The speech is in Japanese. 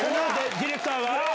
ディレクターが！